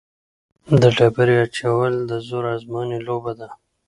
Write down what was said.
د ډبرې اچول د زور ازموینې لوبه ده.